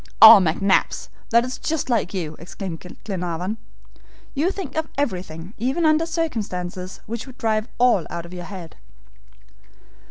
"Oh, McNabbs, that's just like you," exclaimed Glenarvan, "you think of everything even under circumstances which would drive all out of your head."